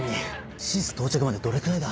ＳＩＳ到着までどれくらいだ？